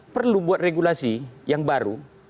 perlu buat regulasi yang baru